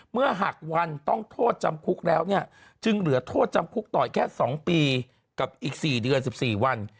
เมื่อหักวันต้องโทษจำคุกแล้วเนี่ยจึงเหลือโทษจำคุกต่ออีกแค่๒ปีกับอีก๔เดือน๑๔วัน